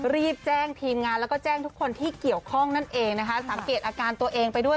รีบแจ้งทีมงานแล้วก็แจ้งทุกคนที่เกี่ยวข้องนั่นเองนะคะสังเกตอาการตัวเองไปด้วย